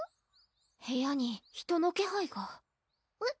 部屋に人の気配がえっ？